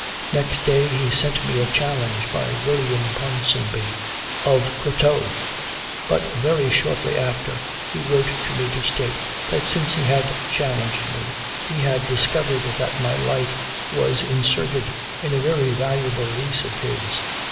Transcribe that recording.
Next day he sent me a challenge by William Ponsonby of Crottoe; but very shortly after, he wrote to me to state, that since he had challenged me, he had discovered that my life was inserted in a very valuable lease of his.